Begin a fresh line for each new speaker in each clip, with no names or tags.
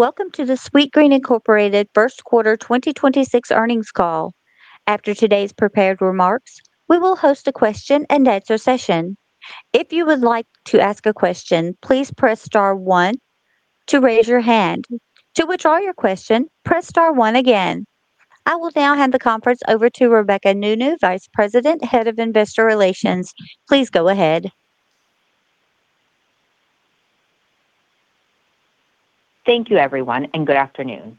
Welcome to the Sweetgreen Incorporated first quarter 2026 earnings call. After today's prepared remarks, we will host a question-and-answer session. If you would like to ask a question, please press star one to raise your hand. To withdraw your question, press star one again. I will now hand the conference over to Rebecca Nounou, Vice President, Head of Investor Relations. Please go ahead.
Thank you, everyone, good afternoon.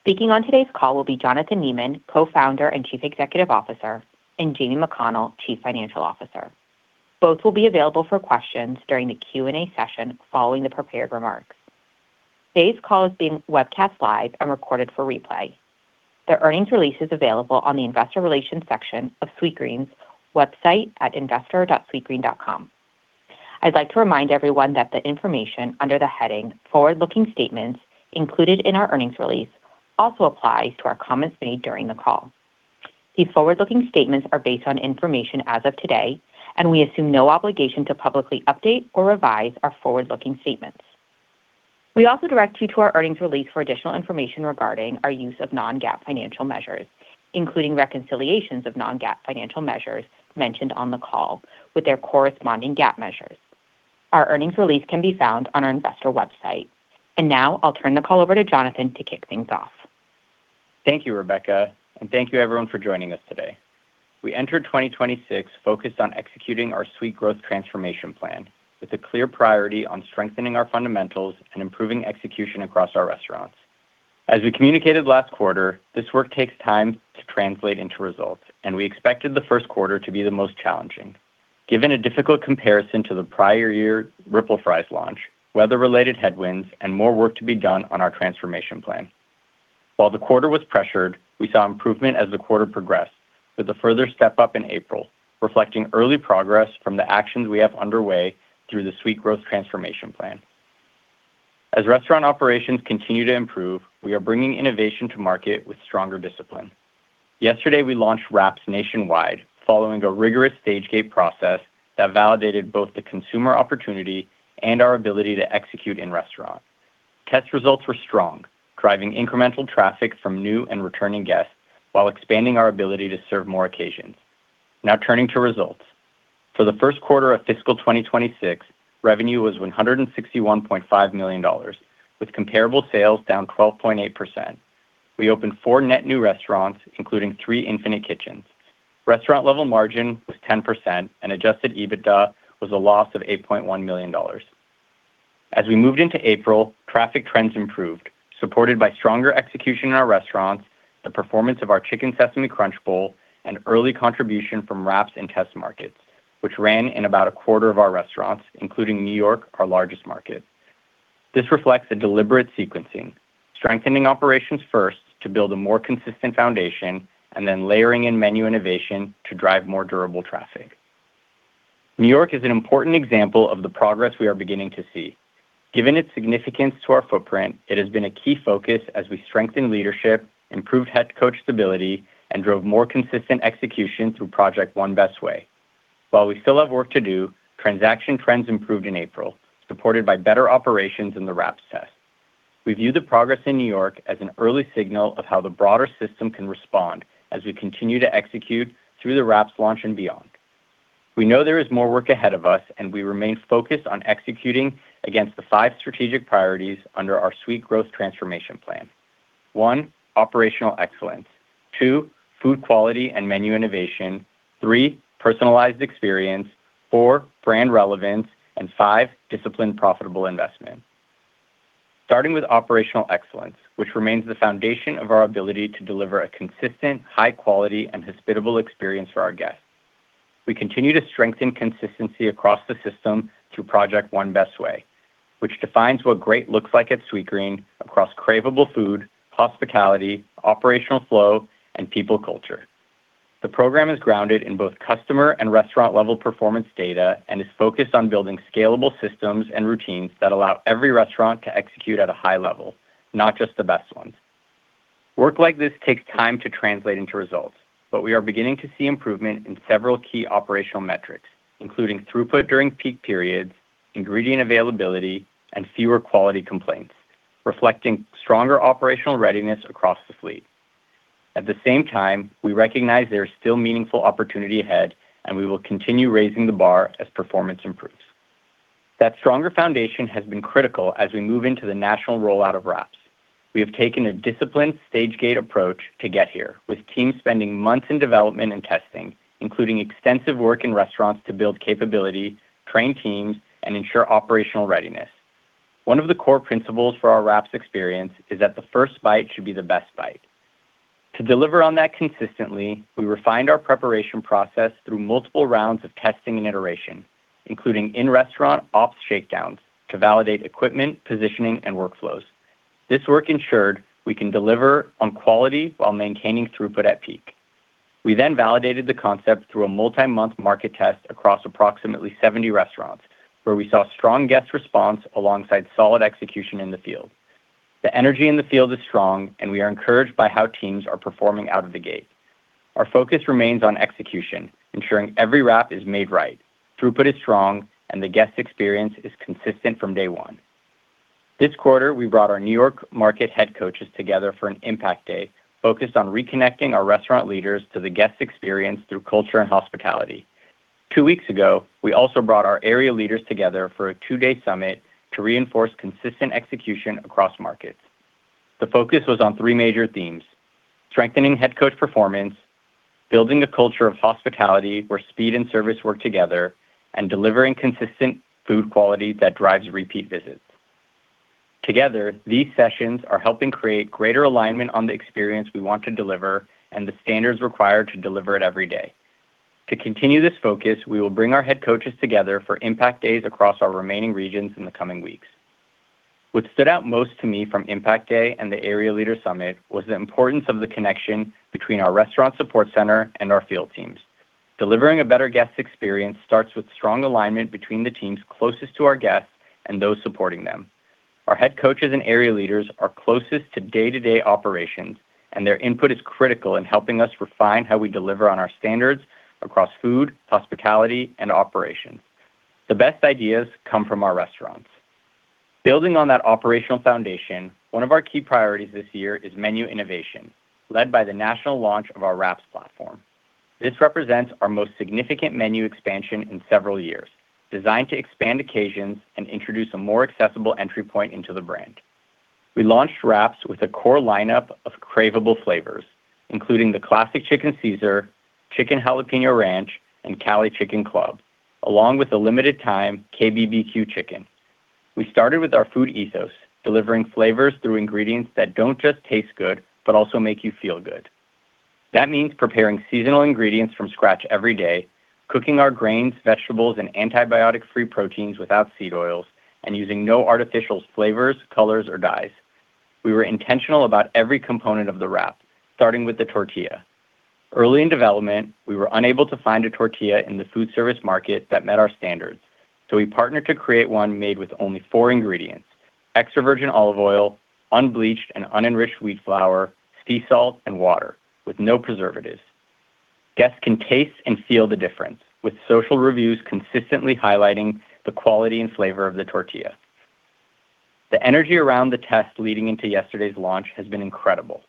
Speaking on today's call will be Jonathan Neman, Co-founder and Chief Executive Officer, and Jamie McConnell, Chief Financial Officer. Both will be available for questions during the Q&A session following the prepared remarks. Today's call is being webcast live and recorded for replay. The earnings release is available on the investor relations section of Sweetgreen's website at investor.sweetgreen.com. I'd like to remind everyone that the information under the heading "Forward-Looking Statements" included in our earnings release also applies to our comments made during the call. These forward-looking statements are based on information as of today, and we assume no obligation to publicly update or revise our forward-looking statements. We also direct you to our earnings release for additional information regarding our use of non-GAAP financial measures, including reconciliations of non-GAAP financial measures mentioned on the call with their corresponding GAAP measures. Our earnings release can be found on our investor website. Now I'll turn the call over to Jonathan to kick things off.
Thank you, Rebecca, and thank you everyone for joining us today. We entered 2026 focused on executing our Sweetgrowth transformation plan with a clear priority on strengthening our fundamentals and improving execution across our restaurants. As we communicated last quarter, this work takes time to translate into results. We expected the first quarter to be the most challenging, given a difficult comparison to the prior year Ripple Fries launch, weather-related headwinds, and more work to be done on our transformation plan. While the quarter was pressured, we saw improvement as the quarter progressed with a further step up in April, reflecting early progress from the actions we have underway through the Sweetgrowth transformation plan. As restaurant operations continue to improve, we are bringing innovation to market with stronger discipline. Yesterday, we launched wraps nationwide following a rigorous stage gate process that validated both the consumer opportunity and our ability to execute in restaurants. Test results were strong, driving incremental traffic from new and returning guests while expanding our ability to serve more occasions. Now turning to results. For the first quarter of fiscal 2026, revenue was $161.5 million, with comparable sales down 12.8%. We opened four net new restaurants, including three Infinite Kitchens. Restaurant level margin was 10%, and adjusted EBITDA was a loss of $8.1 million. As we moved into April, traffic trends improved, supported by stronger execution in our restaurants, the performance of our Chicken Sesame Crunch Bowl, and early contribution from wraps and test markets, which ran in about a quarter of our restaurants, including New York, our largest market. This reflects a deliberate sequencing, strengthening operations first to build a more consistent foundation and then layering in menu innovation to drive more durable traffic. New York is an important example of the progress we are beginning to see. Given its significance to our footprint, it has been a key focus as we strengthen leadership, improve head coach stability, and drove more consistent execution through Project One Best Way. While we still have work to do, transaction trends improved in April, supported by better operations in the wraps test. We view the progress in New York as an early signal of how the broader system can respond as we continue to execute through the wraps launch and beyond. We know there is more work ahead of us, and we remain focused on executing against the five strategic priorities under our Sweetgrowth transformation plan. One, operational excellence. Two, food quality and menu innovation. Three, personalized experience. Four, brand relevance. Five, disciplined, profitable investment. Starting with operational excellence, which remains the foundation of our ability to deliver a consistent, high quality, and hospitable experience for our guests. We continue to strengthen consistency across the system through Project One Best Way, which defines what great looks like at Sweetgreen across craveable food, hospitality, operational flow, and people culture. The program is grounded in both customer and restaurant-level performance data and is focused on building scalable systems and routines that allow every restaurant to execute at a high level, not just the best ones. Work like this takes time to translate into results, but we are beginning to see improvement in several key operational metrics, including throughput during peak periods, ingredient availability, and fewer quality complaints, reflecting stronger operational readiness across the fleet. At the same time, we recognize there is still meaningful opportunity ahead, and we will continue raising the bar as performance improves. That stronger foundation has been critical as we move into the national rollout of wraps. We have taken a disciplined stage gate approach to get here, with teams spending months in development and testing, including extensive work in restaurants to build capability, train teams, and ensure operational readiness. One of the core principles for our wraps experience is that the first bite should be the best bite. To deliver on that consistently, we refined our preparation process through multiple rounds of testing and iteration, including in-restaurant ops shakedowns to validate equipment, positioning, and workflows. This work ensured we can deliver on quality while maintaining throughput at peak. We then validated the concept through a multi-month market test across approximately 70 restaurants, where we saw strong guest response alongside solid execution in the field. The energy in the field is strong, and we are encouraged by how teams are performing out of the gate. Our focus remains on execution, ensuring every wrap is made right, throughput is strong, and the guest experience is consistent from day one. This quarter, we brought our New York market head coaches together for an Impact Day focused on reconnecting our restaurant leaders to the guest experience through culture and hospitality. Two weeks ago, we also brought our area leaders together for a two-day summit to reinforce consistent execution across markets. The focus was on three major themes: strengthening head coach performance, building a culture of hospitality where speed and service work together, and delivering consistent food quality that drives repeat visits. Together, these sessions are helping create greater alignment on the experience we want to deliver and the standards required to deliver it every day. To continue this focus, we will bring our head coaches together for Impact Days across our remaining regions in the coming weeks. What stood out most to me from Impact Day and the Area Leaders Summit was the importance of the connection between our restaurant support center and our field teams. Delivering a better guest experience starts with strong alignment between the teams closest to our guests and those supporting them. Our head coaches and area leaders are closest to day-to-day operations, and their input is critical in helping us refine how we deliver on our standards across food, hospitality, and operations. The best ideas come from our restaurants. Building on that operational foundation, one of our key priorities this year is menu innovation, led by the national launch of our wraps platform. This represents our most significant menu expansion in several years, designed to expand occasions and introduce a more accessible entry point into the brand. We launched wraps with a core lineup of craveable flavors, including the Classic Chicken Caesar, Chicken Jalapeño Ranch, and Cali Chicken Club, along with a limited-time KBBQ Chicken. We started with our food ethos, delivering flavors through ingredients that don't just taste good, but also make you feel good. That means preparing seasonal ingredients from scratch every day, cooking our grains, vegetables, and antibiotic-free proteins without seed oils, and using no artificial flavors, colors, or dyes. We were intentional about every component of the wrap, starting with the tortilla. Early in development, we were unable to find a tortilla in the food service market that met our standards. We partnered to create one made with only four ingredients: extra virgin olive oil, unbleached and unenriched wheat flour, sea salt, and water with no preservatives. Guests can taste and feel the difference with social reviews consistently highlighting the quality and flavor of the tortilla. The energy around the test leading into yesterday's launch has been incredible.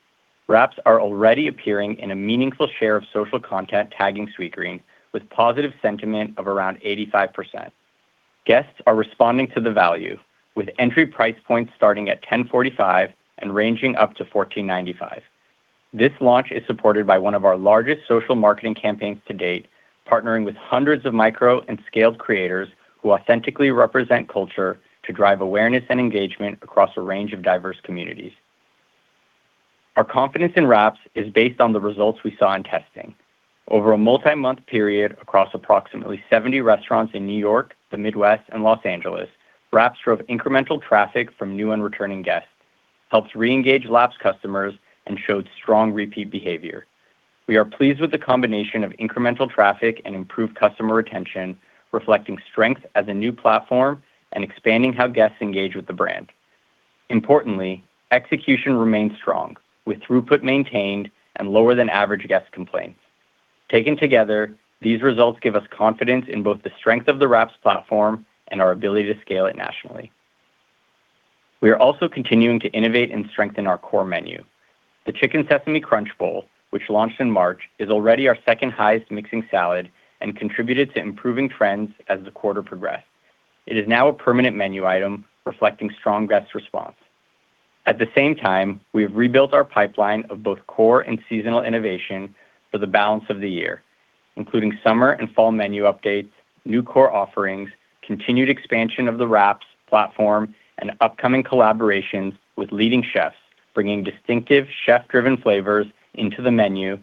Wraps are already appearing in a meaningful share of social content tagging Sweetgreen with positive sentiment of around 85%. Guests are responding to the value with entry price points starting at $10.45 and ranging up to $14.95. This launch is supported by one of our largest social marketing campaigns to date, partnering with hundreds of micro and scaled creators who authentically represent culture to drive awareness and engagement across a range of diverse communities. Our confidence in wraps is based on the results we saw in testing. Over a multi-month period across approximately 70 restaurants in New York, the Midwest, and Los Angeles, wraps drove incremental traffic from new and returning guests, helped reengage lapsed customers, and showed strong repeat behavior. We are pleased with the combination of incremental traffic and improved customer retention, reflecting strength as a new platform and expanding how guests engage with the brand. Importantly, execution remains strong, with throughput maintained and lower than average guest complaints. Taken together, these results give us confidence in both the strength of the wraps platform and our ability to scale it nationally. We are also continuing to innovate and strengthen our core menu. The Chicken Sesame Crunch Bowl, which launched in March, is already our second highest mixing salad and contributed to improving trends as the quarter progressed. It is now a permanent menu item reflecting strong guest response. At the same time, we have rebuilt our pipeline of both core and seasonal innovation for the balance of the year, including summer and fall menu updates, new core offerings, continued expansion of the wraps platform, and upcoming collaborations with leading chefs, bringing distinctive chef-driven flavors into the menu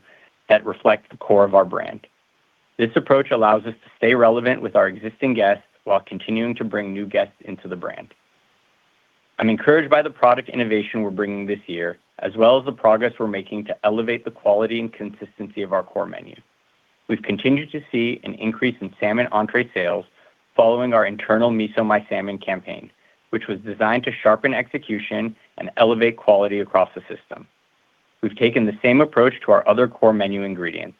that reflect the core of our brand. This approach allows us to stay relevant with our existing guests while continuing to bring new guests into the brand. I'm encouraged by the product innovation we're bringing this year, as well as the progress we're making to elevate the quality and consistency of our core menu. We've continued to see an increase in salmon entree sales following our internal Miso My Salmon campaign, which was designed to sharpen execution and elevate quality across the system. We've taken the same approach to our other core menu ingredients.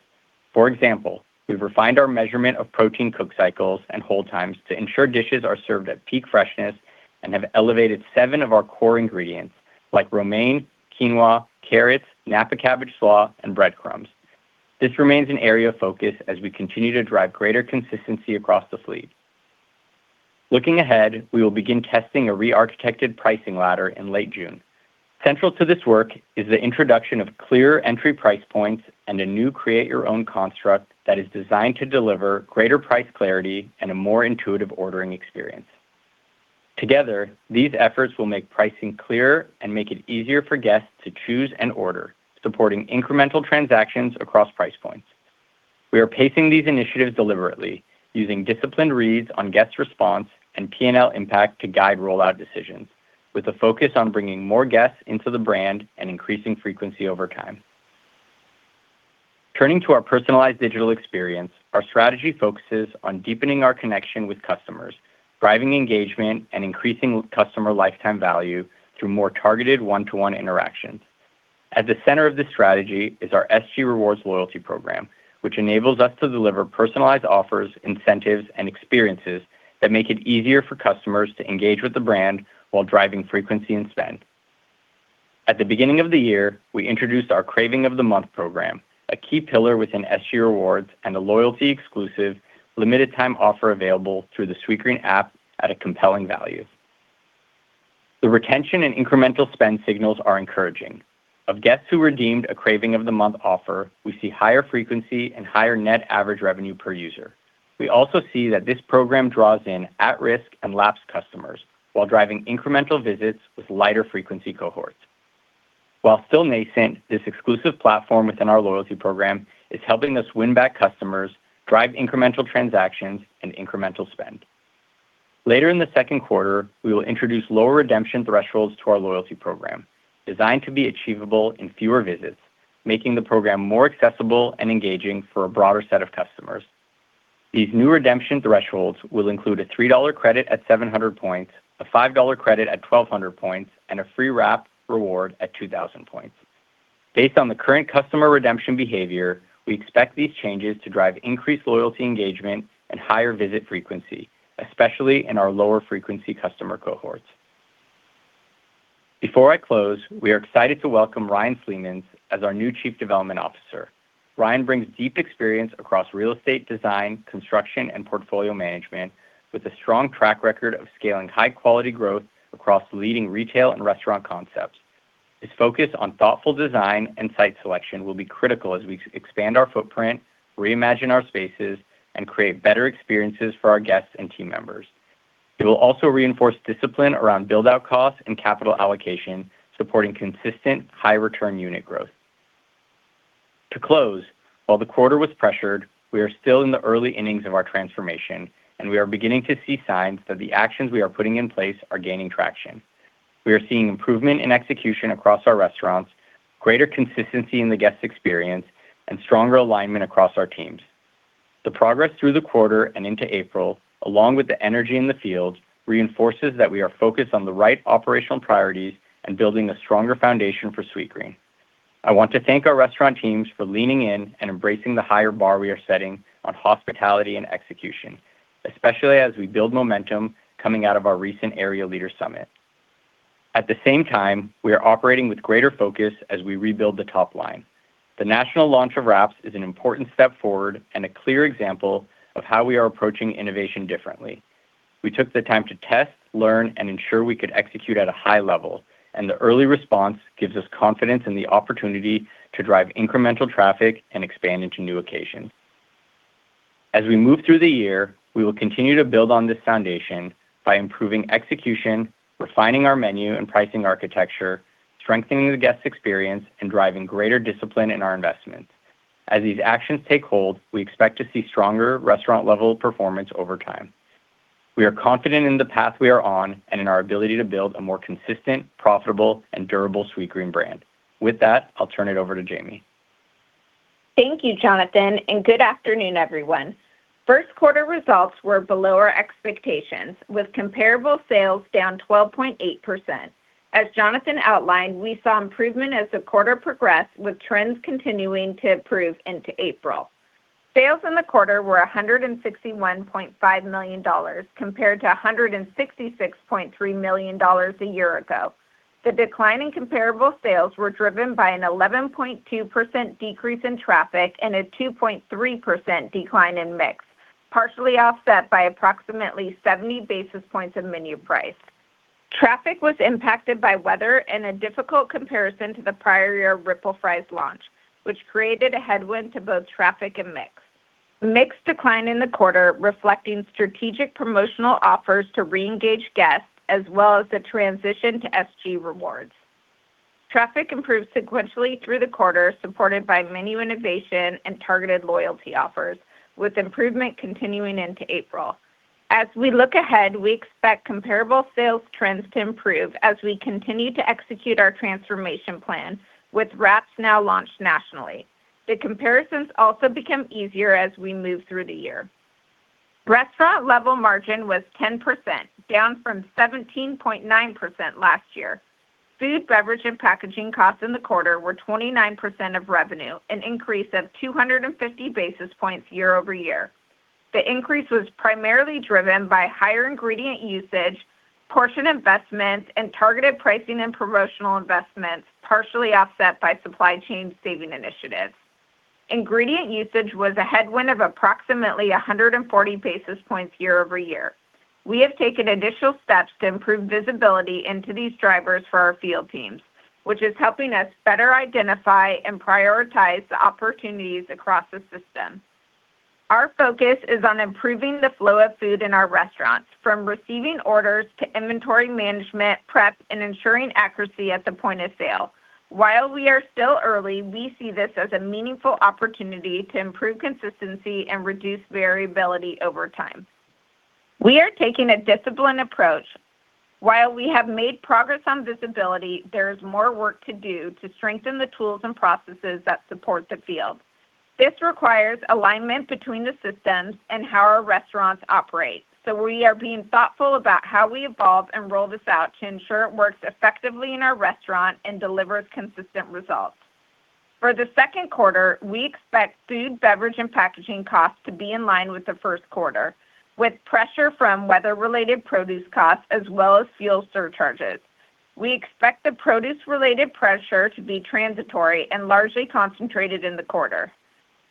For example, we've refined our measurement of protein cook cycles and hold times to ensure dishes are served at peak freshness and have elevated seven of our core ingredients like romaine, quinoa, carrots, napa cabbage slaw, and breadcrumbs. This remains an area of focus as we continue to drive greater consistency across the fleet. Looking ahead, we will begin testing a re-architected pricing ladder in late June. Central to this work is the introduction of clear entry price points and a new create your own construct that is designed to deliver greater price clarity and a more intuitive ordering experience. Together, these efforts will make pricing clearer and make it easier for guests to choose and order, supporting incremental transactions across price points. We are pacing these initiatives deliberately using disciplined reads on guest response and P&L impact to guide rollout decisions with a focus on bringing more guests into the brand and increasing frequency over time. Turning to our personalized digital experience, our strategy focuses on deepening our connection with customers, driving engagement and increasing customer lifetime value through more targeted one-to-one interactions. At the center of this strategy is our SG Rewards loyalty program, which enables us to deliver personalized offers, incentives, and experiences that make it easier for customers to engage with the brand while driving frequency and spend. At the beginning of the year, we introduced our Craving of the Month program, a key pillar within SG Rewards and a loyalty exclusive limited time offer available through the Sweetgreen app at a compelling value. The retention and incremental spend signals are encouraging. Of guests who redeemed a Craving of the Month offer, we see higher frequency and higher net average revenue per user. We also see that this program draws in at-risk and lapsed customers while driving incremental visits with lighter frequency cohorts. While still nascent, this exclusive platform within our loyalty program is helping us win back customers, drive incremental transactions and incremental spend. Later in the second quarter, we will introduce lower redemption thresholds to our loyalty program, designed to be achievable in fewer visits, making the program more accessible and engaging for a broader set of customers. These new redemption thresholds will include a $3 credit at 700 points, a $5 credit at 1,200 points, and a free wrap reward at 2,000 points. Based on the current customer redemption behavior, we expect these changes to drive increased loyalty engagement and higher visit frequency, especially in our lower frequency customer cohorts. Before I close, we are excited to welcome Ryan Slemons as our new Chief Development Officer. Ryan brings deep experience across real estate design, construction, and portfolio management with a strong track record of scaling high-quality growth across leading retail and restaurant concepts. His focus on thoughtful design and site selection will be critical as we expand our footprint, reimagine our spaces, and create better experiences for our guests and team members. It will also reinforce discipline around build-out costs and capital allocation, supporting consistent high return unit growth. To close, while the quarter was pressured, we are still in the early innings of our transformation, and we are beginning to see signs that the actions we are putting in place are gaining traction. We are seeing improvement in execution across our restaurants, greater consistency in the guest experience, and stronger alignment across our teams. The progress through the quarter and into April, along with the energy in the field, reinforces that we are focused on the right operational priorities and building a stronger foundation for Sweetgreen. I want to thank our restaurant teams for leaning in and embracing the higher bar we are setting on hospitality and execution, especially as we build momentum coming out of our recent area leader summit. At the same time, we are operating with greater focus as we rebuild the top line. The national launch of wraps is an important step forward and a clear example of how we are approaching innovation differently. We took the time to test, learn, and ensure we could execute at a high level, and the early response gives us confidence in the opportunity to drive incremental traffic and expand into new occasions. As we move through the year, we will continue to build on this foundation by improving execution, refining our menu and pricing architecture, strengthening the guest experience, and driving greater discipline in our investments. As these actions take hold, we expect to see stronger restaurant-level performance over time. We are confident in the path we are on and in our ability to build a more consistent, profitable, and durable Sweetgreen brand. With that, I'll turn it over to Jamie.
Thank you, Jonathan, and good afternoon, everyone. First quarter results were below our expectations, with comparable sales down 12.8%. As Jonathan outlined, we saw improvement as the quarter progressed, with trends continuing to improve into April. Sales in the quarter were $161.5 million, compared to $166.3 million a year ago. The decline in comparable sales were driven by an 11.2% decrease in traffic and a 2.3% decline in mix, partially offset by approximately 70 basis points of menu price. Traffic was impacted by weather and a difficult comparison to the prior year Ripple Fries launch, which created a headwind to both traffic and mix. Mix declined in the quarter, reflecting strategic promotional offers to re-engage guests as well as the transition to SG Rewards. Traffic improved sequentially through the quarter, supported by menu innovation and targeted loyalty offers, with improvement continuing into April. As we look ahead, we expect comparable sales trends to improve as we continue to execute our transformation plan with wraps now launched nationally. The comparisons also become easier as we move through the year. Restaurant level margin was 10%, down from 17.9% last year. Food, beverage, and packaging costs in the quarter were 29% of revenue, an increase of 250 basis points year-over-year. The increase was primarily driven by higher ingredient usage, portion investments, and targeted pricing and promotional investments, partially offset by supply chain saving initiatives. Ingredient usage was a headwind of approximately 140 basis points year-over-year. We have taken additional steps to improve visibility into these drivers for our field teams, which is helping us better identify and prioritize the opportunities across the system. Our focus is on improving the flow of food in our restaurants, from receiving orders to inventory management, prep, and ensuring accuracy at the point of sale. While we are still early, we see this as a meaningful opportunity to improve consistency and reduce variability over time. We are taking a disciplined approach. While we have made progress on visibility, there is more work to do to strengthen the tools and processes that support the field. This requires alignment between the systems and how our restaurants operate. We are being thoughtful about how we evolve and roll this out to ensure it works effectively in our restaurant and delivers consistent results. For the second quarter, we expect food, beverage, and packaging costs to be in line with the first quarter, with pressure from weather-related produce costs as well as fuel surcharges. We expect the produce-related pressure to be transitory and largely concentrated in the quarter.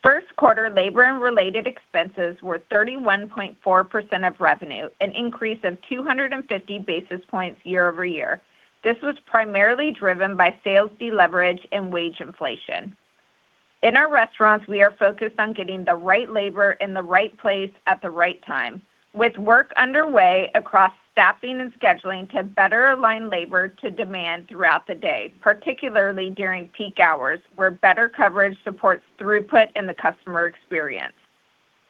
First quarter labor and related expenses were 31.4% of revenue, an increase of 250 basis points year-over-year. This was primarily driven by sales deleverage and wage inflation. In our restaurants, we are focused on getting the right labor in the right place at the right time, with work underway across staffing and scheduling to better align labor to demand throughout the day, particularly during peak hours, where better coverage supports throughput in the customer experience.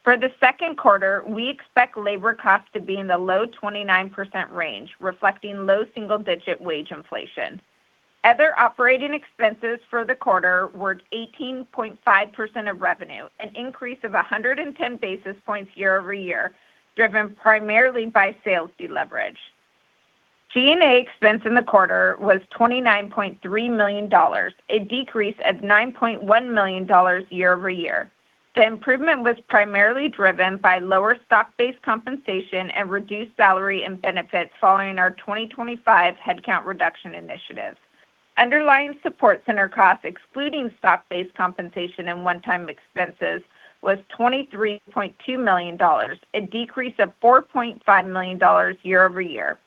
For the second quarter, we expect labor costs to be in the low 29% range, reflecting low single-digit wage inflation. Other operating expenses for the quarter were 18.5% of revenue, an increase of 110 basis points year-over-year, driven primarily by sales deleverage. G&A expense in the quarter was $29.3 million, a decrease of $9.1 million year-over-year. The improvement was primarily driven by lower stock-based compensation and reduced salary and benefits following our 2025 headcount reduction initiative. Underlying support center costs, excluding stock-based compensation and one-time expenses, was $23.2 million, a decrease of $4.5 million year-over-year.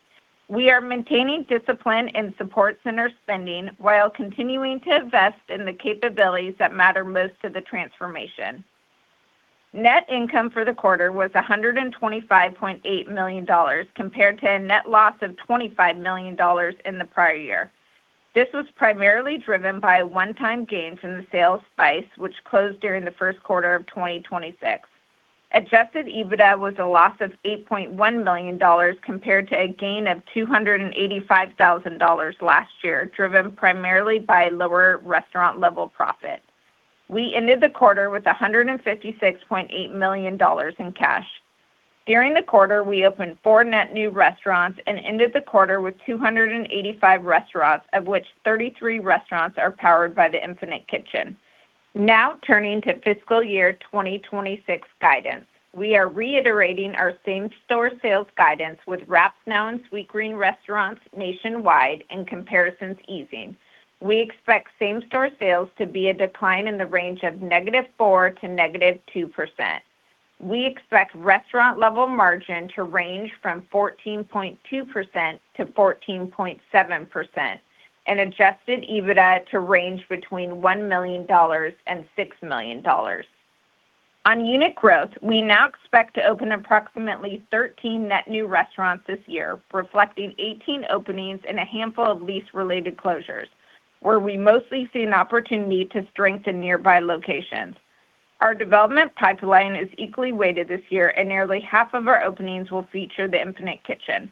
We are maintaining discipline in support center spending while continuing to invest in the capabilities that matter most to the transformation. Net income for the quarter was $125.8 million compared to a net loss of $25 million in the prior year. This was primarily driven by one-time gains in the sale of Spyce, which closed during the first quarter of 2026. Adjusted EBITDA was a loss of $8.1 million compared to a gain of $285,000 last year, driven primarily by lower restaurant level profit. We ended the quarter with $156.8 million in cash. During the quarter, we opened four net new restaurants and ended the quarter with 285 restaurants, of which 33 restaurants are powered by the Infinite Kitchen. Now turning to fiscal year 2026 guidance. We are reiterating our same-store sales guidance with wraps now in Sweetgreen restaurants nationwide and comparisons easing. We expect same-store sales to be a decline in the range of -4% to -2%. We expect restaurant level margin to range from 14.2%-14.7% and adjusted EBITDA to range between $1 million and $6 million. On unit growth, we now expect to open approximately 13 net new restaurants this year, reflecting 18 openings and a handful of lease-related closures, where we mostly see an opportunity to strengthen nearby locations. Our development pipeline is equally weighted this year, and nearly half of our openings will feature the Infinite Kitchen.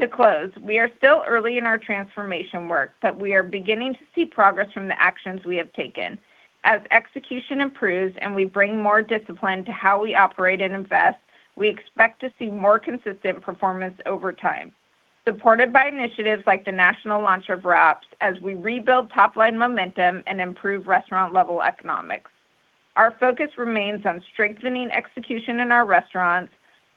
To close, we are still early in our transformation work, but we are beginning to see progress from the actions we have taken. As execution improves and we bring more discipline to how we operate and invest, we expect to see more consistent performance over time, supported by initiatives like the national launch of wraps as we rebuild top-line momentum and improve restaurant level economics. Our focus remains on strengthening execution in our restaurants,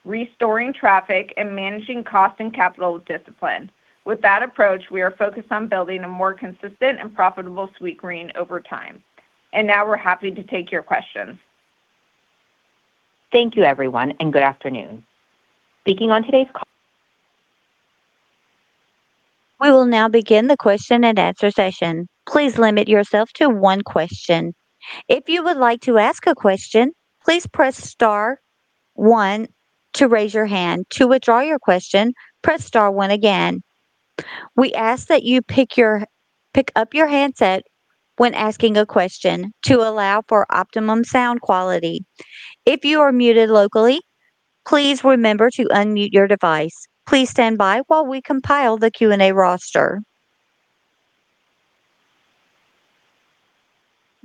restoring traffic, and managing cost and capital discipline. With that approach, we are focused on building a more consistent and profitable Sweetgreen over time. Now we're happy to take your questions.
We will now begin the question and answer session. Please limit yourself to one question. If you would like to ask a question, please press star one to raise your hand. To withdraw your question, press star one again. We ask that you pick up your handset when asking a question to allow for optimum sound quality. If you are muted locally, please remember to unmute your device. Please stand by while we compile the Q&A roster.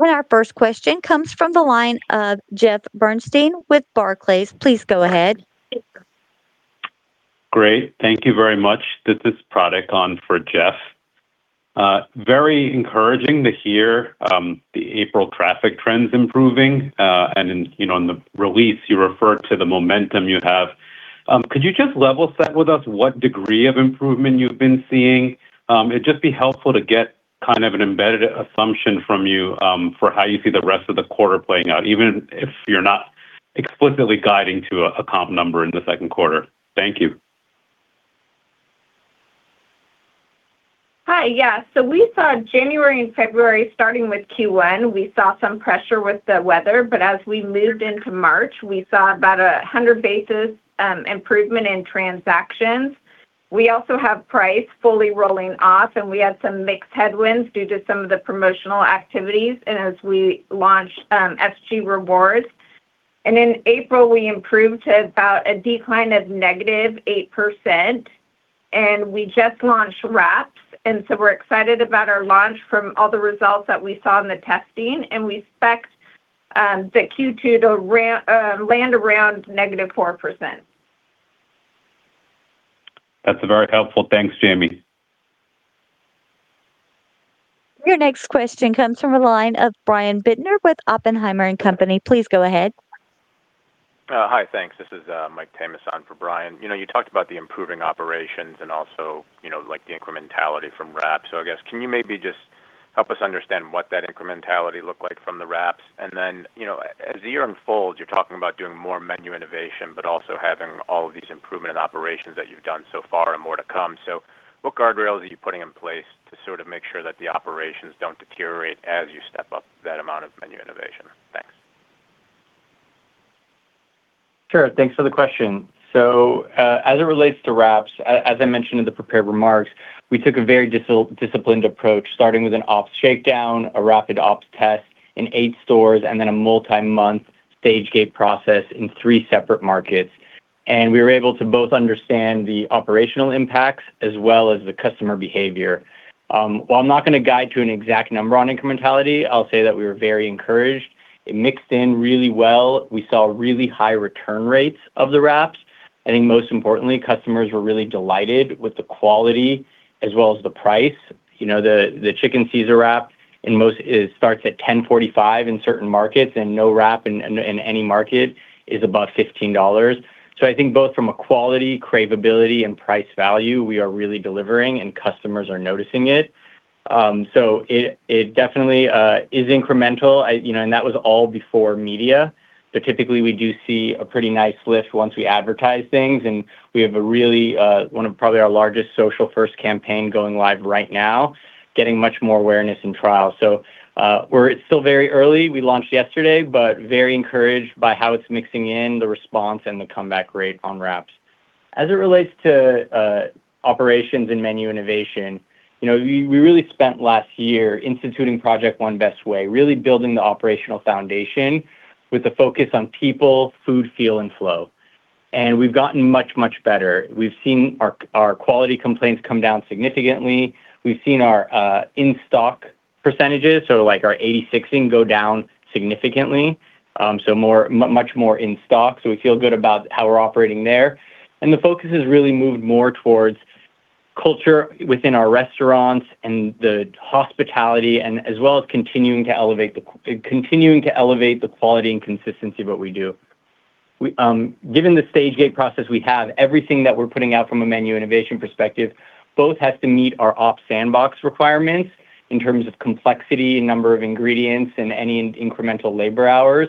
Our first question comes from the line of Jeff Bernstein with Barclays. Please go ahead.
Great. Thank you very much. This is Pratik on for Jeff. Very encouraging to hear, the April traffic trends improving. And in, you know, in the release, you refer to the momentum you have. Could you just level set with us what degree of improvement you've been seeing? It'd just be helpful to get kind of an embedded assumption from you, for how you see the rest of the quarter playing out, even if you're not explicitly guiding to a comp number in the second quarter. Thank you.
Hi. Yeah. We saw January and February, starting with Q1, we saw some pressure with the weather, but as we moved into March, we saw about 100 basis improvement in transactions. We also have price fully rolling off, and we had some mixed headwinds due to some of the promotional activities. As we launched SG Rewards. In April, we improved to about a decline of -8% and we just launched wraps. We're excited about our launch from all the results that we saw in the testing, and we expect that Q2 to land around -4%.
That's very helpful. Thanks, Jamie.
Your next question comes from the line of Brian Bittner with Oppenheimer and Company. Please go ahead.
Hi. Thanks. This is Mike Tamas for Brian. You know, you talked about the improving operations and also, you know, like, the incrementality from wraps. I guess, can you maybe just help us understand what that incrementality looked like from the wraps? Then, you know, as the year unfolds, you're talking about doing more menu innovation, but also having all of these improvement operations that you've done so far and more to come. What guardrails are you putting in place to sort of make sure that the operations don't deteriorate as you step up that amount of menu innovation? Thanks.
Thanks for the question. As it relates to wraps, as I mentioned in the prepared remarks, we took a very disciplined approach, starting with an ops shakedown, a rapid ops test in eight stores, and then a multi-month stage gate process in three separate markets. We were able to both understand the operational impacts as well as the customer behavior. While I'm not gonna guide to an exact number on incrementality, I'll say that we were very encouraged. It mixed in really well. We saw really high return rates of the wraps. I think most importantly, customers were really delighted with the quality as well as the price. You know, the Classic Chicken Caesar wrap in most starts at $10.45 in certain markets, and no wrap in any market is above $15. I think both from a quality, cravability, and price value, we are really delivering, and customers are noticing it. It, it definitely is incremental, you know, and that was all before media. Typically, we do see a pretty nice lift once we advertise things, and we have a really, one of probably our largest social first campaign going live right now, getting much more awareness and trial. We're still very early. We launched yesterday, but very encouraged by how it's mixing in, the response, and the comeback rate on wraps. As it relates to operations and menu innovation, you know, we really spent last year instituting Project One Best Way, really building the operational foundation with a focus on people, food, feel, and flow. We've gotten much, much better. We've seen our quality complaints come down significantly. We've seen our in-stock percentages, so like our 86ing go down significantly. So much more in stock, so we feel good about how we're operating there. The focus has really moved more towards culture within our restaurants and the hospitality as well as continuing to elevate the quality and consistency of what we do. We, given the stage gate process we have, everything that we're putting out from a menu innovation perspective both has to meet our op sandbox requirements in terms of complexity and number of ingredients and any incremental labor hours,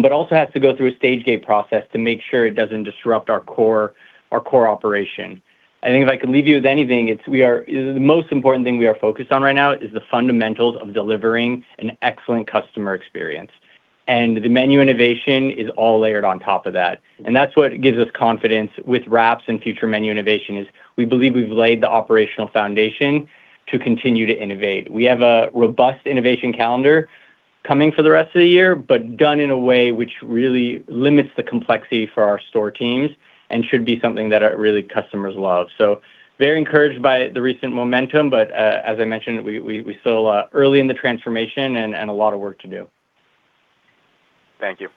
but also has to go through a stage gate process to make sure it doesn't disrupt our core, our core operation. I think if I can leave you with anything, it's the most important thing we are focused on right now is the fundamentals of delivering an excellent customer experience. The menu innovation is all layered on top of that. That's what gives us confidence with wraps and future menu innovation, is we believe we've laid the operational foundation to continue to innovate. We have a robust innovation calendar coming for the rest of the year, but done in a way which really limits the complexity for our store teams and should be something that our really customers love. Very encouraged by the recent momentum, but as I mentioned, we still early in the transformation and a lot of work to do.
Thank you.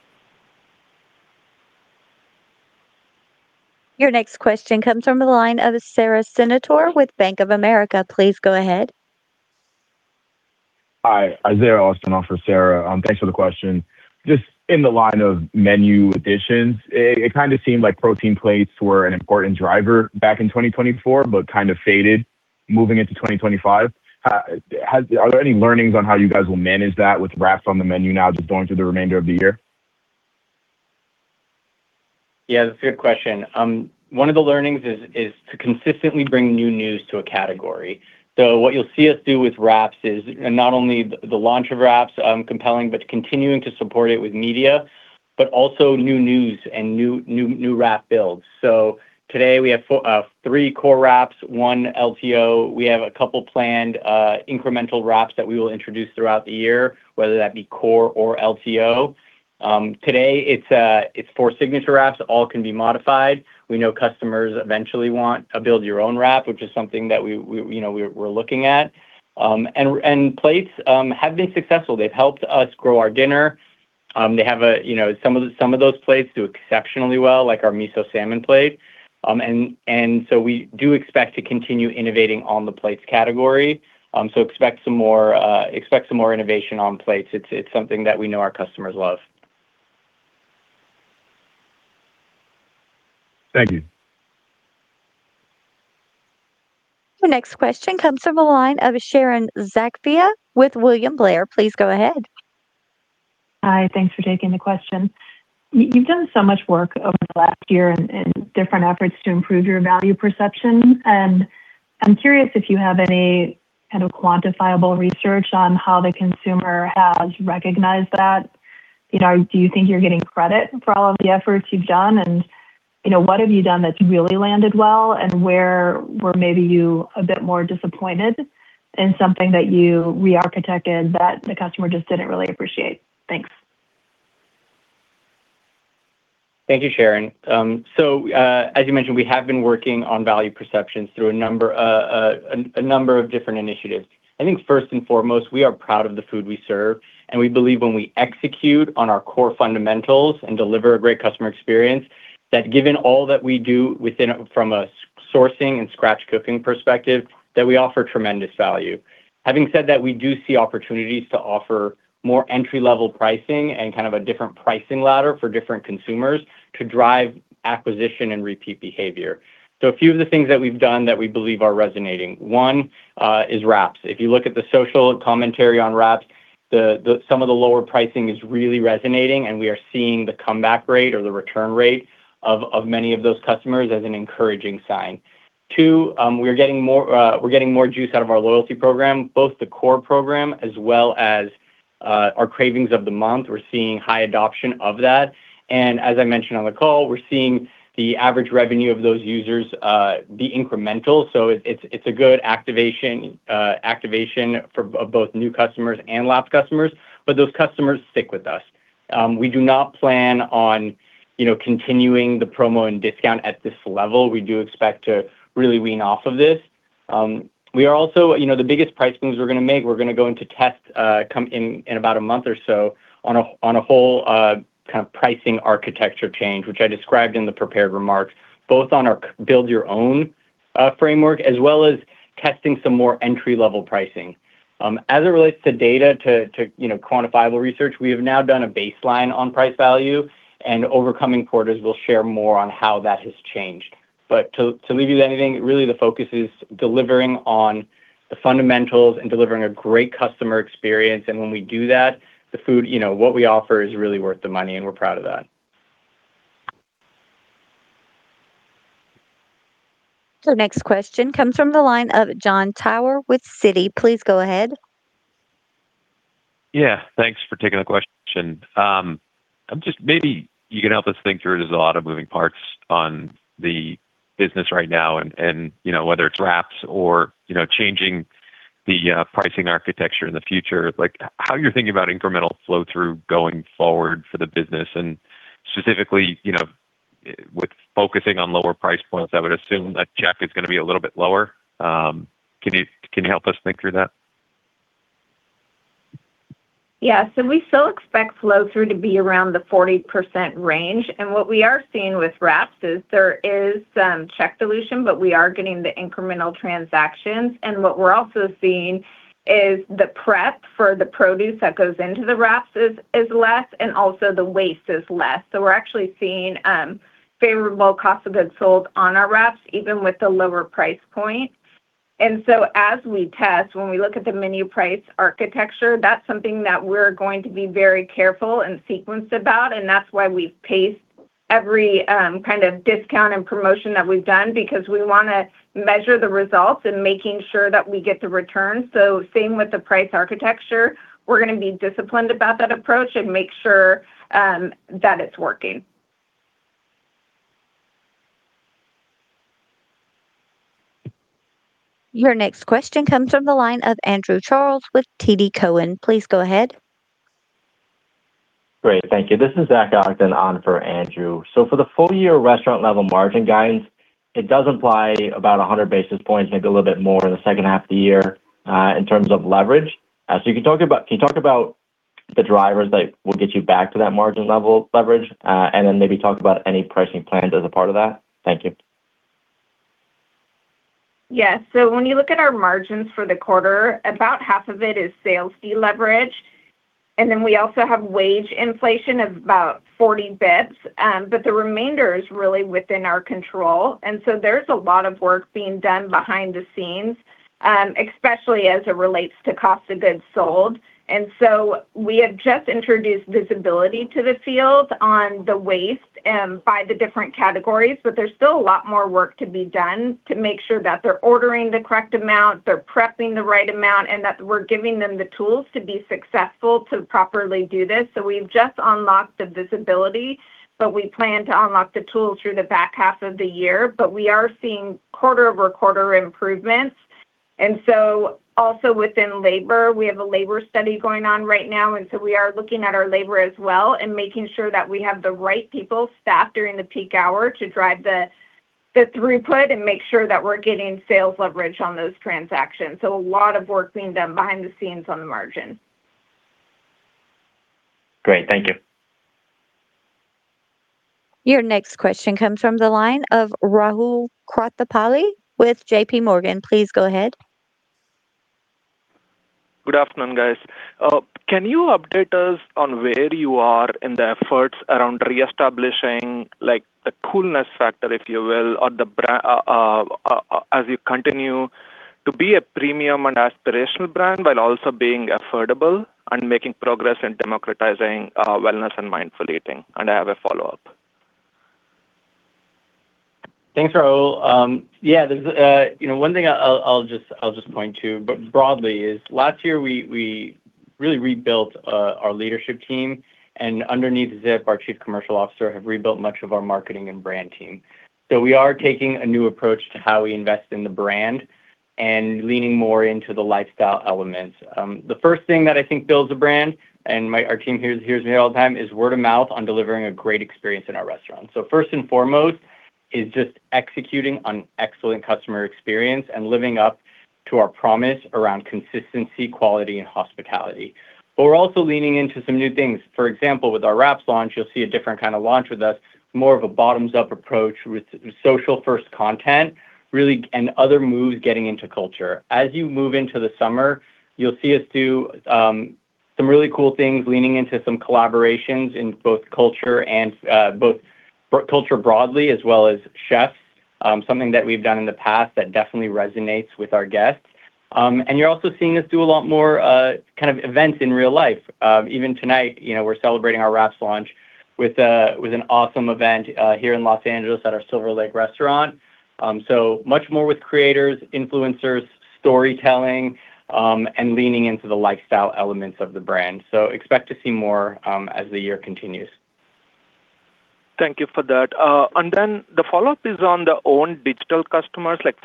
Your next question comes from the line of Sara Senatore with Bank of America. Please go ahead.
Hi. Isiah Austin for Sara. Thanks for the question. Just in the line of menu additions, it kind of seemed like protein plates were an important driver back in 2024 but kind of faded moving into 2025. Are there any learnings on how you guys will manage that with wraps on the menu now just going through the remainder of the year?
Yeah, that's a good question. One of the learnings is to consistently bring new news to a category. What you'll see us do with wraps is not only the launch of wraps compelling, but continuing to support it with media, but also new news and new wrap builds. Today, we have three core wraps, one LTO. We have a couple planned incremental wraps that we will introduce throughout the year, whether that be core or LTO. Today, it's four signature wraps. All can be modified. We know customers eventually want a build your own wrap, which is something that we, you know, we're looking at. And plates have been successful. They've helped us grow our dinner. They have a, you know, some of those plates do exceptionally well, like our Miso Salmon Plate. We do expect to continue innovating on the plates category. Expect some more innovation on plates. It's something that we know our customers love.
Thank you.
The next question comes from the line of Sharon Zackfia with William Blair. Please go ahead.
Hi. Thanks for taking the question. You've done so much work over the last year in different efforts to improve your value perception. I'm curious if you have any kind of quantifiable research on how the consumer has recognized that. You know, do you think you're getting credit for all of the efforts you've done? You know, what have you done that's really landed well and where were maybe you a bit more disappointed in something that you re-architected that the customer just didn't really appreciate? Thanks.
Thank you, Sharon. As you mentioned, we have been working on value perceptions through a number of different initiatives. I think first and foremost, we are proud of the food we serve, and we believe when we execute on our core fundamentals and deliver a great customer experience, that given all that we do from a sourcing and scratch cooking perspective, that we offer tremendous value. Having said that, we do see opportunities to offer more entry-level pricing and kind of a different pricing ladder for different consumers to drive acquisition and repeat behavior. A few of the things that we've done that we believe are resonating. One is wraps. If you look at the social commentary on wraps, some of the lower pricing is really resonating, and we are seeing the comeback rate or the return rate of many of those customers as an encouraging sign. Two, we're getting more, we're getting more juice out of our loyalty program, both the core program as well as our Craving of the Month. We're seeing high adoption of that. As I mentioned on the call, we're seeing the average revenue of those users be incremental, so it's a good activation for both new customers and lapsed customers, but those customers stick with us. We do not plan on, you know, continuing the promo and discount at this level. We do expect to really wean off of this. You know, the biggest price moves we're gonna make, we're gonna go into test in about a month or so on a whole kind of pricing architecture change, which I described in the prepared remarks, both on our build your own framework, as well as testing some more entry-level pricing. As it relates to data to, you know, quantifiable research, we have now done a baseline on price value, and over coming quarters, we'll share more on how that has changed. To leave you with anything, really the focus is delivering on the fundamentals and delivering a great customer experience. When we do that, the food, you know, what we offer is really worth the money, and we're proud of that.
The next question comes from the line of Jon Tower with Citi. Please go ahead.
Yeah. Thanks for taking the question. Maybe you can help us think through it as a lot of moving parts on the business right now and, you know, whether it's wraps or, you know, changing the pricing architecture in the future, like, how you're thinking about incremental flow-through going forward for the business. Specifically, you know, with focusing on lower price points, I would assume that check is gonna be a little bit lower. Can you help us think through that?
Yeah. We still expect flow-through to be around the 40% range. What we are seeing with wraps is there is some check dilution, but we are getting the incremental transactions. What we're also seeing is the prep for the produce that goes into the wraps is less, and also the waste is less. We're actually seeing favorable cost of goods sold on our wraps, even with the lower price point. As we test, when we look at the menu price architecture, that's something that we're going to be very careful and sequenced about, and that's why we've paced every kind of discount and promotion that we've done because we wanna measure the results and making sure that we get the return. Same with the price architecture. We're gonna be disciplined about that approach and make sure that it's working.
Your next question comes from the line of Andrew Charles with TD Cowen. Please go ahead.
Great. Thank you. This is Zach Ogden on for Andrew. For the full-year restaurant level margin guidance, it does imply about 100 basis points, maybe a little bit more in the second half of the year, in terms of leverage. Can you talk about the drivers that will get you back to that margin level leverage? Maybe talk about any pricing plans as a part of that. Thank you.
Yes. When you look at our margins for the quarter, about half of it is sales deleverage, and then we also have wage inflation of about 40 basis points. The remainder is really within our control. There's a lot of work being done behind the scenes, especially as it relates to cost of goods sold. We have just introduced visibility to the field on the waste by the different categories, but there's still a lot more work to be done to make sure that they're ordering the correct amount, they're prepping the right amount, and that we're giving them the tools to be successful to properly do this. We've just unlocked the visibility, but we plan to unlock the tool through the back half of the year. We are seeing quarter-over-quarter improvements. Also within labor, we have a labor study going on right now, we are looking at our labor as well and making sure that we have the right people staffed during the peak hour to drive the throughput and make sure that we're getting sales leverage on those transactions. A lot of work being done behind the scenes on the margin.
Great. Thank you.
Your next question comes from the line of Rahul Krotthapalli with JPMorgan. Please go ahead.
Good afternoon, guys. Can you update us on where you are in the efforts around reestablishing, like, the coolness factor, if you will, as you continue to be a premium and aspirational brand, but also being affordable and making progress in democratizing wellness and mindful eating? I have a follow-up.
Thanks, Raul. Yeah, there's a, you know, one thing I'll just point to, but broadly is last year we really rebuilt our leadership team and underneath Zip, our Chief Commercial Officer, have rebuilt much of our marketing and brand team. We are taking a new approach to how we invest in the brand and leaning more into the lifestyle elements. The first thing that I think builds a brand, and our team hears me all the time, is word of mouth on delivering a great experience in our restaurant. First and foremost is just executing on excellent customer experience and living up to our promise around consistency, quality, and hospitality. We're also leaning into some new things. For example, with our wraps launch, you'll see a different kind of launch with us, more of a bottoms-up approach with social first content, really, and other moves getting into culture. As you move into the summer, you'll see us do some really cool things, leaning into some collaborations in both culture and both culture broadly as well as chefs, something that we've done in the past that definitely resonates with our guests. You're also seeing us do a lot more kind of events in real life. Even tonight, you know, we're celebrating our wraps launch with an awesome event here in Los Angeles at our Silver Lake restaurant. So much more with creators, influencers, storytelling, and leaning into the lifestyle elements of the brand. Expect to see more as the year continues.
Thank you for that. Then the follow-up is on the owned digital customers, like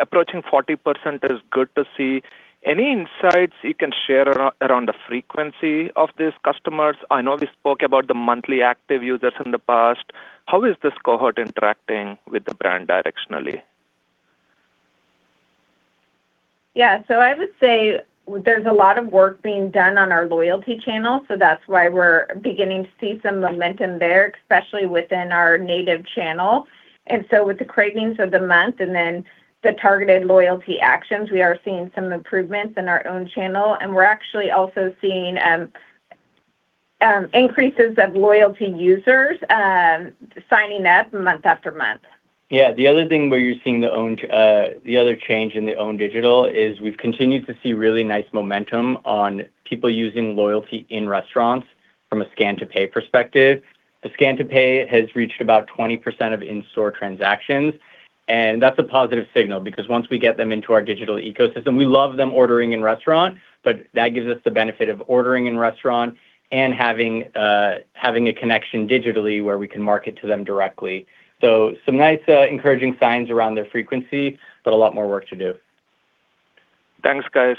approaching 40% is good to see. Any insights you can share around the frequency of these customers? I know we spoke about the monthly active users in the past. How is this cohort interacting with the brand directionally?
Yeah. I would say there's a lot of work being done on our loyalty channel, so that's why we're beginning to see some momentum there, especially within our native channel. With the Craving of the Month and then the targeted loyalty actions, we are seeing some improvements in our own channel, and we're actually also seeing increases of loyalty users signing up month after month.
Yeah. The other thing where you're seeing the other change in the owned digital is we've continued to see really nice momentum on people using loyalty in restaurants from a scan-to-pay perspective. The scan-to-pay has reached about 20% of in-store transactions. That's a positive signal because once we get them into our digital ecosystem, we love them ordering in-restaurant, but that gives us the benefit of ordering in-restaurant and having a connection digitally where we can market to them directly. Some nice encouraging signs around their frequency, but a lot more work to do.
Thanks, guys.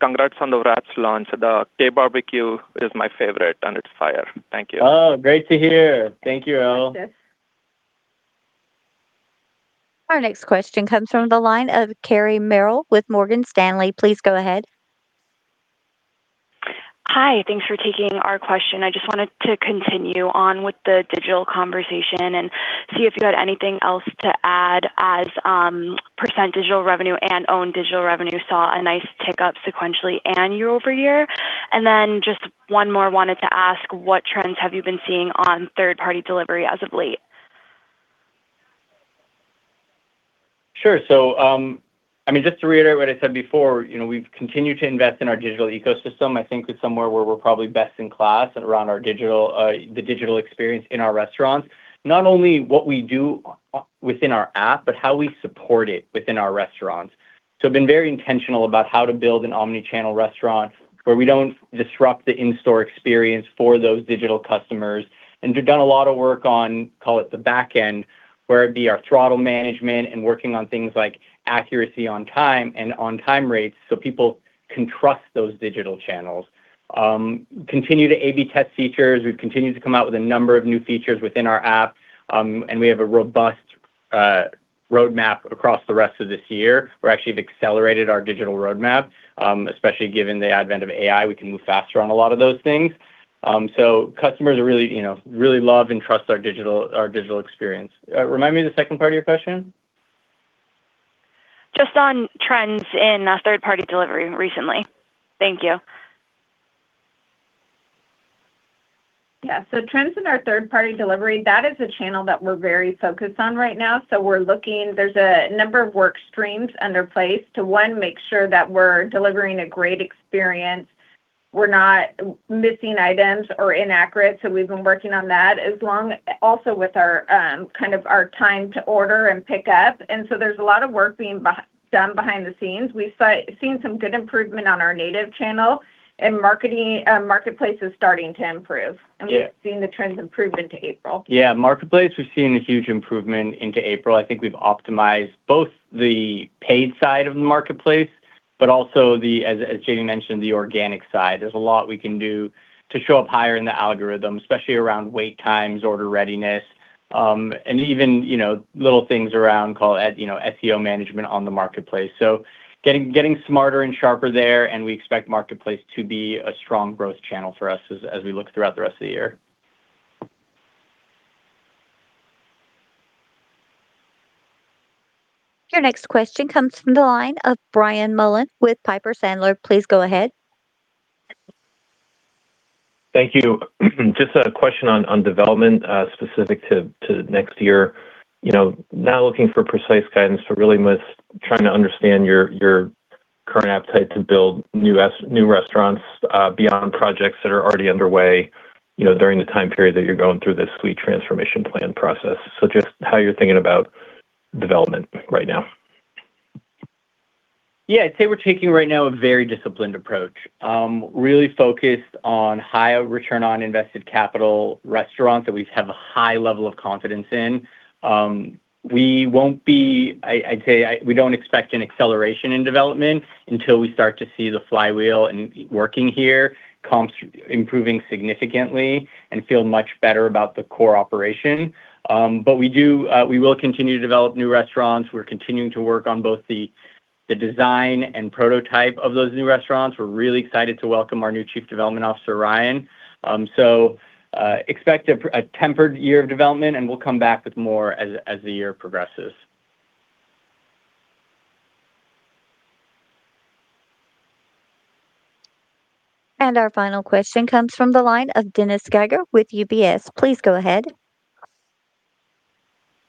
Congrats on the wraps launch. The KBBQ is my favorite, and it's fire. Thank you.
Oh, great to hear. Thank you, Rahul.
Thanks, guys.
Our next question comes from the line of Carrie Merrill with Morgan Stanley. Please go ahead.
Hi. Thanks for taking our question. I just wanted to continue on with the digital conversation and see if you had anything else to add as, percent digital revenue and own digital revenue saw a nice tick up sequentially and year over year. Just one more wanted to ask, what trends have you been seeing on third-party delivery as of late?
Sure. I mean, just to reiterate what I said before, you know, we've continued to invest in our digital ecosystem. I think it's somewhere where we're probably best in class around the digital experience in our restaurants. Not only what we do within our app, but how we support it within our restaurants. We've been very intentional about how to build an omni-channel restaurant where we don't disrupt the in-store experience for those digital customers. We've done a lot of work on, call it, the back end, where it be our throttle management and working on things like accuracy on time and on-time rates so people can trust those digital channels. Continue to AB test features. We've continued to come out with a number of new features within our app, and we have a robust roadmap across the rest of this year. We actually have accelerated our digital roadmap, especially given the advent of AI, we can move faster on a lot of those things. Customers are really, you know, really love and trust our digital experience. Remind me the second part of your question.
Just on trends in third-party delivery recently. Thank you.
Yeah. Trends in our third-party delivery, that is a channel that we're very focused on right now. There's a number of work streams in place to, one, make sure that we're delivering a great experience. We're not missing items or inaccurate, so we've been working on that also with our kind of our time to order and pick up. There's a lot of work being done behind the scenes. We've seen some good improvement on our native channel and marketplace is starting to improve.
Yeah.
We've seen the trends improve into April.
Yeah. Marketplace, we've seen a huge improvement into April. I think we've optimized both the paid side of the marketplace, but also the as Jamie mentioned, the organic side. There's a lot we can do to show up higher in the algorithm, especially around wait times, order readiness, and even, you know, little things around, call it, you know, SEO management on the marketplace. Getting smarter and sharper there, and we expect marketplace to be a strong growth channel for us as we look throughout the rest of the year.
Your next question comes from the line of Brian Mullan with Piper Sandler. Please go ahead.
Thank you. Just a question on development, specific to next year. You know, not looking for precise guidance, but really trying to understand your current appetite to build new restaurants, beyond projects that are already underway, you know, during the time period that you're going through this fleet transformation plan process. Just how you're thinking about development right now.
I'd say we're taking right now a very disciplined approach. Really focused on high return on invested capital restaurants that we have a high level of confidence in. I'd say we don't expect an acceleration in development until we start to see the flywheel working here, comps improving significantly and feel much better about the core operation. We will continue to develop new restaurants. We're continuing to work on both the design and prototype of those new restaurants. We're really excited to welcome our new Chief Development Officer, Ryan. Expect a tempered year of development, and we'll come back with more as the year progresses.
Our final question comes from the line of Dennis Geiger with UBS.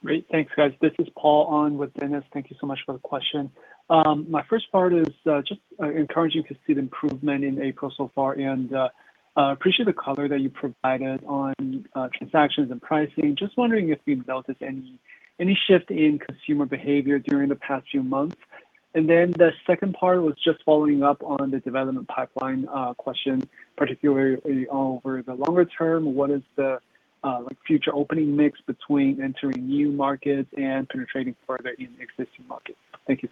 Please go ahead.
Great. Thanks, guys. This is Paul on with Dennis. Thank you so much for the question. My first part is just encouraging to see the improvement in April so far, and appreciate the color that you provided on transactions and pricing. Just wondering if you've felt any shift in consumer behavior during the past few months. The second part was just following up on the development pipeline question, particularly over the longer term. What is the future opening mix between entering new markets and penetrating further in existing markets? Thank you.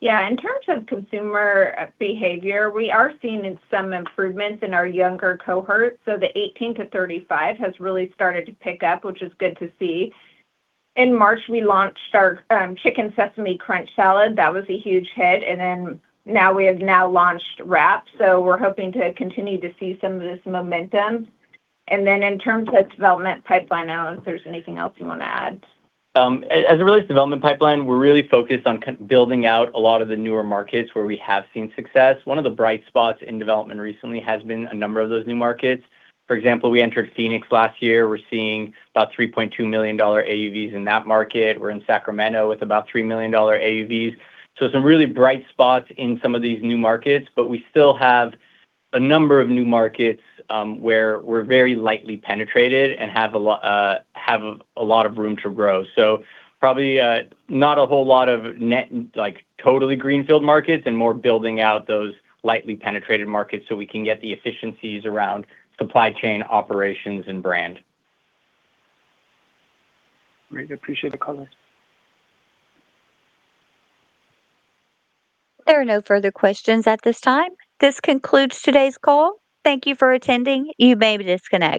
Yeah. In terms of consumer behavior, we are seeing in some improvements in our younger cohort. The 18-35 has really started to pick up, which is good to see. In March, we launched our Chicken Sesame Crunch salad. That was a huge hit. Now we have now launched wraps, we're hoping to continue to see some of this momentum. In terms of development pipeline, Alex, if there's anything else you wanna add.
As, as it relates to development pipeline, we're really focused on building out a lot of the newer markets where we have seen success. One of the bright spots in development recently has been a number of those new markets. For example, we entered Phoenix last year. We're seeing about $3.2 million AUVs in that market. We're in Sacramento with about $3 million AUVs. Some really bright spots in some of these new markets. We still have a number of new markets where we're very lightly penetrated and have a lot of room to grow. Probably not a whole lot of net, totally greenfield markets and more building out those lightly penetrated markets so we can get the efficiencies around supply chain operations and brand.
Great. Appreciate the color.
There are no further questions at this time. This concludes today's call. Thank you for attending. You may disconnect.